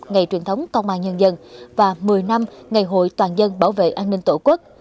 ngày truyền thống công an nhân dân và một mươi năm ngày hội toàn dân bảo vệ an ninh tổ quốc